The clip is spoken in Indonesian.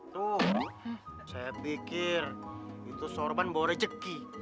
tuh saya pikir itu sorban bawa rejeki